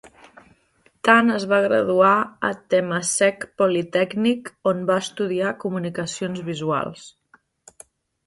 Tan es va graduar a Temasek Polytechnic, on va estudiar Comunicacions visuals.